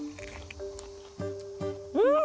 うん！